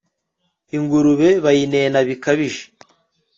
Ingurube bayinena bikabije